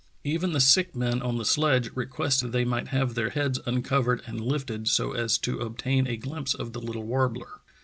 Even the sick men on the sledge requested they might have their heads uncovered and lifted so as to obtain a glimpse of the little warbler."